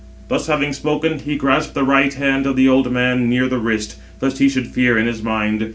Thus having spoken, he grasped the right hand of the old man near the wrist, lest he should fear in his mind.